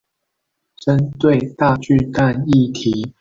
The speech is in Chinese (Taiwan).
針對大巨蛋議題